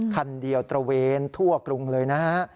คันเดียวตระเวนทั่วกรุงเลยนะฮะ